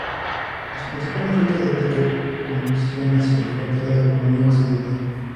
Las principales rutas de ataque conducían hacia la frontera de Polonia occidental.